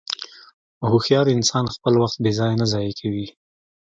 هوښیار انسان خپل وخت بېځایه نه ضایع کوي.